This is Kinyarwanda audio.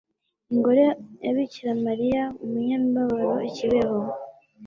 ingoro ya Bikiramariya Umunyamibabaro i Kibeho?